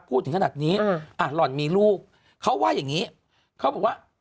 พูดถึงขนาดนี้อ่ะหล่อนมีลูกเขาว่าอย่างนี้เขาบอกว่า